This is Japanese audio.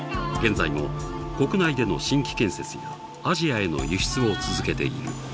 現在も国内での新規建設やアジアへの輸出を続けている。